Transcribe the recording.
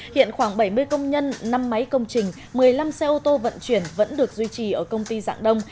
hiện khoảng bảy mươi công nhân năm máy công trình một mươi năm xe ô tô vận chuyển vẫn được duy trì ở công ty dạng đông